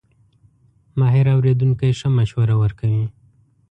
ماهر اورېدونکی ښه مشوره ورکوي.